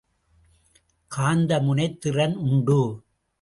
காந்த முனைத் திறன் உண்டு.